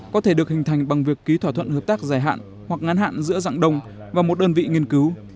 có thể được hình thành bằng việc ký thỏa thuận hợp tác dài hạn hoặc ngán hạn giữa dạng đông và một đơn vị nghiên cứu